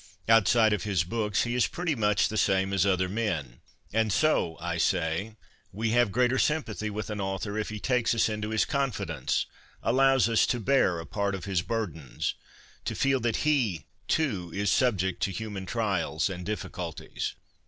Outside of his books he is pretty much the same as other men. And so, I say, we have greater sym pathy with an author if he takes us into his con fidence, allows us to bear a part of his burdens — to feel that he, too, is subject to human trials and difficulties.